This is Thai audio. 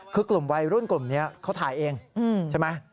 คือกลุ่มวัยรุ่นกลุ่มนี้เขาถ่ายเองใช่ไหม